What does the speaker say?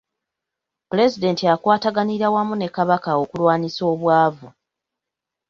Pulezidenti akwataganira wamu ne Kabaka okulwanyisa obwavu.